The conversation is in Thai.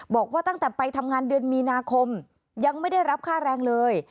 บอกว่าตั้งแต่ไปทำงานเดือนมีนาคมยังไม่ได้รับค่าแรงเลย